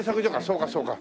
そうかそうか。